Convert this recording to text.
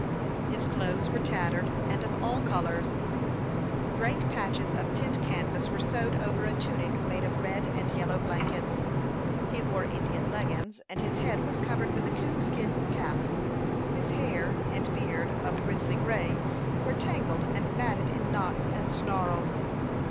His clothes were tattered, and of all colors. Great patches of tent canvas were sewed over a tunic made of red and yellow blankets. He wore Indian leggins, and his head was covered with a coon skin cap. His hair and beard, of grizzly gray, were tangled and matted in knots and snarls.